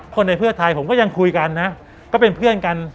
ในเพื่อไทยผมก็ยังคุยกันนะก็เป็นเพื่อนกัน